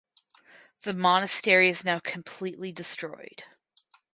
The monastery is now completely destroyed.